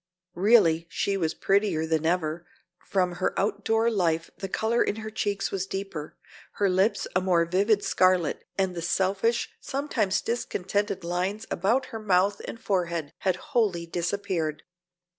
Really she was prettier than ever; from her outdoor life the color in her cheeks was deeper, her lips a more vivid scarlet and the selfish, sometimes discontented lines about her mouth and forehead had wholly disappeared.